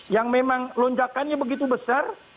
yang memang lonjakannya begitu besar